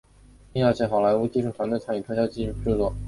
并邀请好莱坞技术团队参与特效制作。